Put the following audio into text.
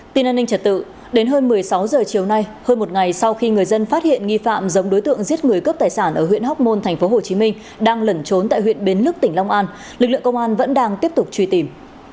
tin an ninh trật tự đến hơn một mươi sáu h chiều nay hơn một ngày sau khi người dân phát hiện nghi phạm giống đối tượng giết người cướp tài sản ở huyện hóc môn tp hcm đang lẩn trốn tại huyện bến lức tỉnh long an lực lượng công an vẫn đang tiếp tục truy tìm